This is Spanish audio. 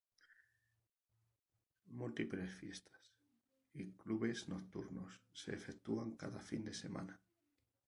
Múltiples fiestas y clubes nocturnos se efectúan cada fin de semana.